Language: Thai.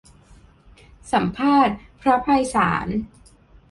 สัมภาษณ์ พระไพศาล